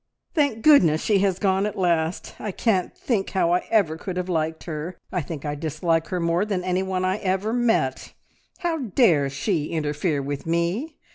"Thank goodness, she has gone at last! I can't think how I ever could have liked her! I think I dislike her more than anyone I ever met. How dare she interfere with me!